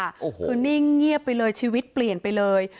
คือนิ่งเงียบไปเลยชีวิตเปลี่ยนไปเลย